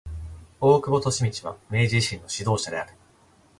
大久保利通は明治維新の指導者である。